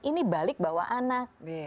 ini balik bawa anak